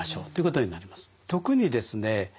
特にですね